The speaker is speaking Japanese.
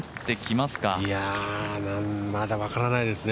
まだ分からないですね。